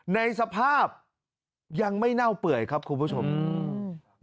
ในสภาพยังไม่เน่าเปื่อยครับคุณผู้ชมอืม